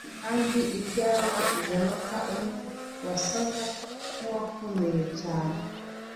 kandi ibyawe umunota umwe wasaga nkuwakomeye cyane